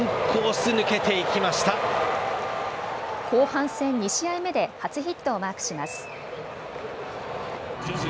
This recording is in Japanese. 後半戦２試合目で初ヒットをマークします。